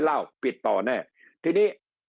การเปิดห้างเปิดอะไรมาเนี่ย